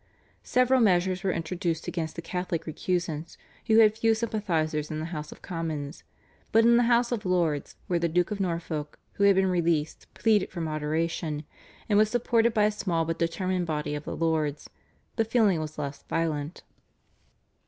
Several measures were introduced against the Catholic recusants, who had few sympathisers in the House of Commons, but in the House of Lords, where the Duke of Norfolk, who had been released, pleaded for moderation, and was supported by a small but determined body of the Lords, the feeling was less violent.